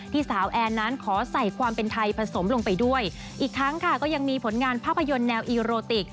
สาวแอนนั้นขอใส่ความเป็นไทยผสมลงไปด้วยอีกทั้งค่ะก็ยังมีผลงานภาพยนตร์แนวอีโรติก